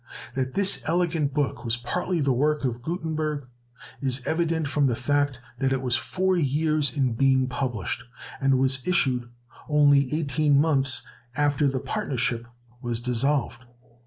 That this elegant book was partly the work of Gutenberg, is evident from the fact that it was four years in being published, and was issued only eighteen months after the partnership was dissolved.